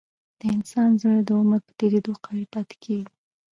د انسان زړه د عمر په تیریدو قوي پاتې کېږي.